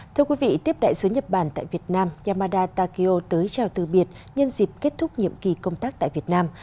thưa quý vị tiếp đại sứ nhật bản tại việt nam yamada takeo tới chào từ biệt nhân dịp kết thúc nhiệm kỳ công tác tại việt nam